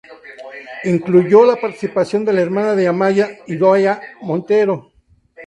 Incluyó la participación de la hermana de Amaia, Idoia Montero.